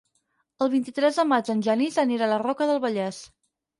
El vint-i-tres de maig en Genís anirà a la Roca del Vallès.